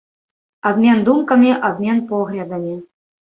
Абмен думкамі, абмен поглядамі.